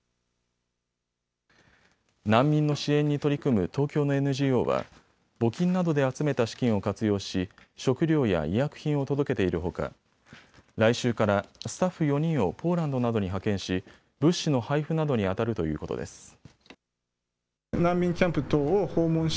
難民の支援に取り組む東京のＮＧＯは募金などで集めた資金を活用し食料や医薬品を届けているほか来週からスタッフ４人をポーランドなどに派遣し物資の配布などにあたるということです。